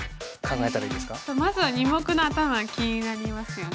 えっとまずは２目の頭気になりますよね。